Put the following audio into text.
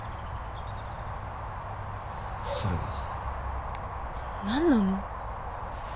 それは。何なの？